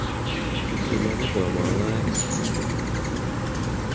Tikai nedomā lēkt.